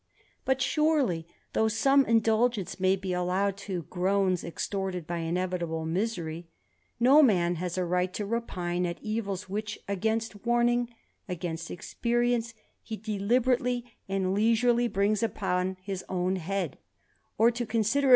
But surely, ^ though some indulgence may be allowed to groans extorted^ by inevitable misery, no man has a right to repine at evilF=3 which, against warning, against experience, he deliberately^ and leisurely brings upon his own head; or to considers.